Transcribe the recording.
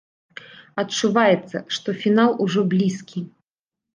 Адчуваецца, што фінал ужо блізкі.